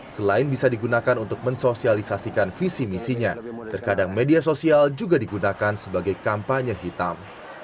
selain bisa digunakan untuk mensosialisasikan visi misinya terkadang media sosial juga digunakan sebagai kampanye hitam